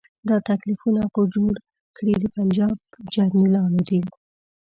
دا تکلیفونه خو جوړ کړي د پنجاب جرنیلانو دي.